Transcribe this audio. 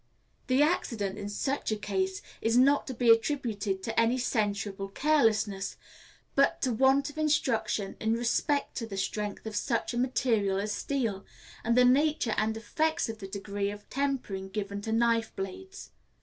The accident, in such a case, is not to be attributed to any censurable carelessness, but to want of instruction in respect to the strength of such a material as steel, and the nature and effects of the degree of tempering given to knife blades.